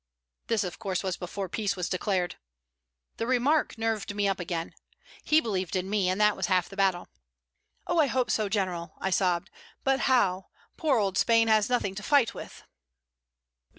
This, of course, was before peace was declared. The remark nerved me up again. He believed in me, and that was half the battle. "Oh, I hope so, General," I sobbed. "But how? Poor old Spain has nothing to fight with."